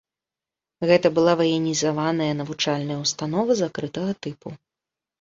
Гэта была ваенізаваная навучальная ўстанова закрытага тыпу.